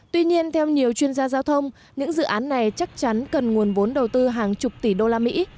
tuy nhiên theo nhiều chuyên gia giao thông những dự án này chắc chắn cần nguồn vốn đầu tư hàng chục tỷ usd